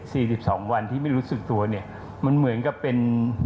สิบสองวันที่ไม่รู้สึกตัวเนี่ยมันเหมือนกับเป็น